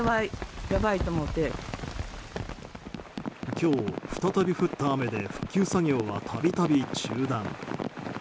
今日、再び降った雨で復旧作業は度々中断。